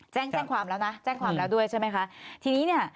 แจ้งความแล้วนะแจ้งความแล้วด้วยใช่ไหมคะทีนี้เนี่ย